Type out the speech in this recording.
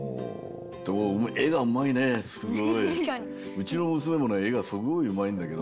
うちのむすめもねえがすごいうまいんだけど。